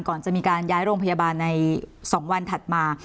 ก่อนจะมีการย้ายโรงพยาบาลใน๒วันถัดมา